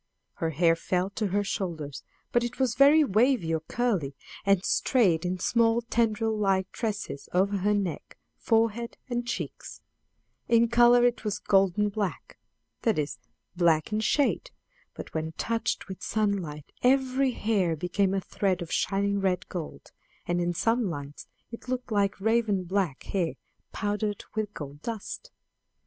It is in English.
Her hair fell to her shoulders; but it was very wavy or curly, and strayed in small tendril like tresses over her neck, forehead and cheeks; in color it was golden black that is, black in shade, but when touched with sunlight every hair became a thread of shining red gold; and in some lights it looked like raven black hair powdered with gold dust.